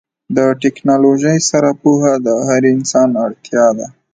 د ټیکنالوژۍ سره پوهه د هر انسان اړتیا ده.